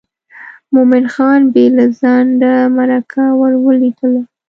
مومن خان بې له ځنډه مرکه ور ولېږله.